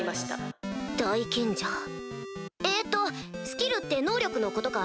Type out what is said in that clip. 大賢者えっとスキルって能力のことか？